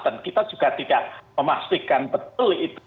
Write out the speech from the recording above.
dan kita juga tidak memastikan betul itu